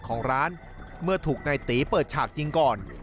ของร้านเมื่อถูกในตีเปิดฉากยิงก่อน